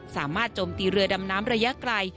สามารถจมตีเรือดำน้ำระยะไกล